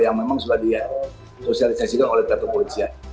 yang memang sudah disosialisasikan oleh pihak kepolisian